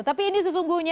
tapi ini sesungguhnya